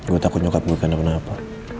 gue takut nyokap gue kena apa apa